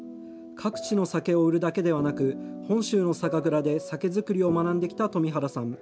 各地の酒を売るだけではなくて、本州の酒蔵で酒造りを学んできた冨原さん。